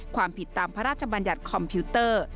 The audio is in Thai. ความผิดตามพระราชบัญญัติคอมพิวเตอร์